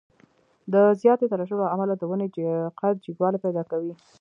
د زیاتې ترشح له امله د ونې قد جګوالی پیدا کوي.